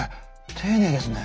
丁寧ですね。